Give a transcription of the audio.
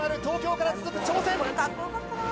東京から続く挑戦！